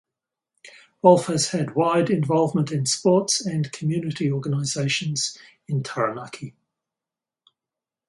Wolfe has had wide involvement in sports and community organisations in Taranaki.